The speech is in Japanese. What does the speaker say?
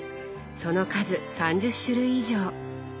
その数３０種類以上。